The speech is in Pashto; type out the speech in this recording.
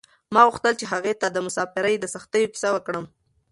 ما غوښتل چې هغې ته د مساپرۍ د سختیو کیسه وکړم.